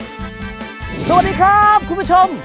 สวัสดีครับคุณผู้ชม